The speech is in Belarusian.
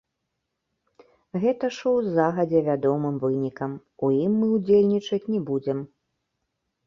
Гэта шоў з загадзя вядомым вынікам, у ім мы ўдзельнічаць не будзем.